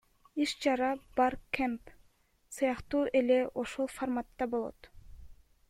Иш чара Баркэмп сыяктуу эле ошол фарматта болот.